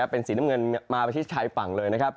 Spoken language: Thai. เป็นสีน้ำเงินมาไปที่ชายฝั่งเลยนะครับ